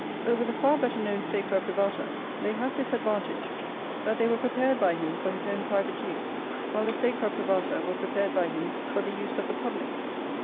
Over the far better known Sacra Privata they have this advantage, that they were prepared by him for his own private use, while the Sacra Privata were prepared by him for the use of the public.